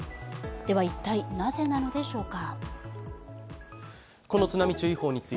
では、一体なぜなのでしょうか？